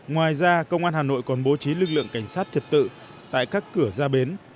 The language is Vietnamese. ngoài ra công an hà nội còn bố trí lực lượng cảnh sát trật tự tại các cửa ra bến